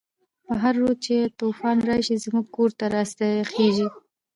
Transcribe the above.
په هر رود چی توفان راشی، زموږ کور ته راسيخيږی